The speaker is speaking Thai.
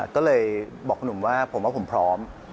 ก็เลยบอกคุณหนุ่มว่าผมว่าผมพร้อม